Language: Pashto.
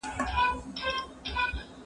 که وخت وي، پوښتنه کوم؟!